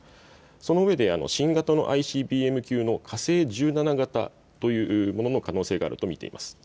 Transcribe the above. そのうえで新型のＩＣＢＭ級の火星１７型というものの可能性があると見ています。